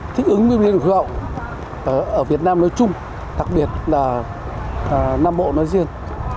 thích ứng biến đổi khí hậu ở việt nam nói chung đặc biệt là nam bộ nói riêng